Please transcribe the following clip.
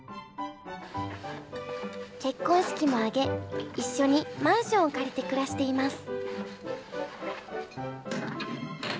結婚式も挙げ一緒にマンションを借りて暮らしています。